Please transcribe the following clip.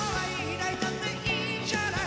「抱いたっていいんじゃない」